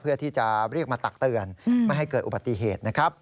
เพื่อที่จะเรียกมาตักเตือนไม่ให้เกิดอุบัติเหตุนะครับ